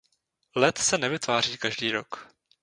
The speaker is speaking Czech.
Led se nevytváří každý rok.